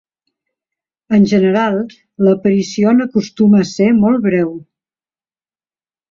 En general, l'aparició n'acostuma a ser molt breu.